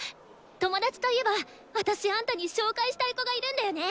友達といえば私あんたに紹介したい子がいるんだよね！